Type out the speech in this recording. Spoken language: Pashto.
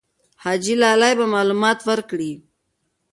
حاجي لالی به معلومات ورکړي.